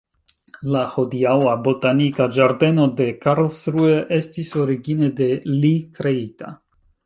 La hodiaŭa botanika ĝardeno de Karlsruhe estis origine de li kreita.